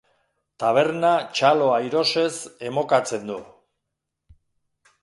Taberna txalo airosez emokatzen da.